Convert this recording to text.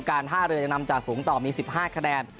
ท่าเรือยังนำจากสูงต่อมี๑๕คะแนน